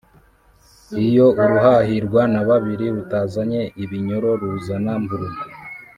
Iyo uruhahirwa na babiri rutazanye ibinyoro ruzana mburugu.